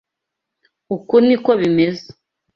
Uku niko bimeze.